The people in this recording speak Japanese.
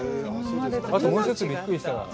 あともう一つびっくりしたのは。